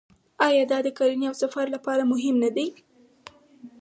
آیا دا د کرنې او سفر لپاره مهم نه دی؟